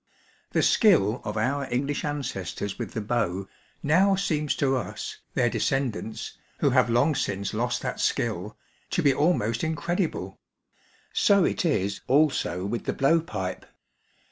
The skill of our English ancestors with the bow now seems to us, their descendants, who have long since lost that skill, to be almost incredible ; so it is also with the blow pipe.